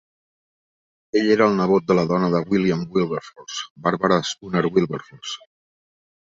Ell era el nebot de la dona de William Wilberforce, Barbara Spooner Wilberforce.